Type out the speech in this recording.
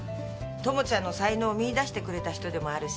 ともちゃんの才能を見いだしてくれた人でもあるし。